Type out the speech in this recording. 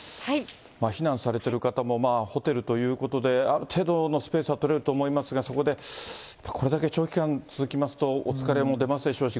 避難されている方もホテルということで、ある程度のスペースは取れると思いますが、そこで、やっぱりこれだけ長期間続きますと、お疲れも出ますでしょうし、